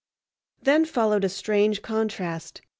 Then followed a strange contrast.